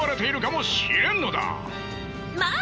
まあ！